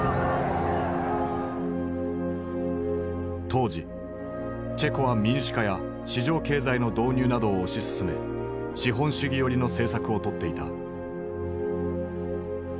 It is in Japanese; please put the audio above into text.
当時チェコは民主化や市場経済の導入などを推し進め資本主義寄りの政策をとっていた。